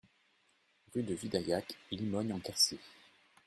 Rue de Vidaillac, Limogne-en-Quercy